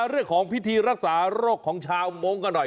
เรื่องของพิธีรักษาโรคของชาวมงค์กันหน่อย